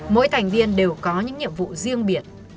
mỗi thành viên đều có những nhiệm vụ riêng biệt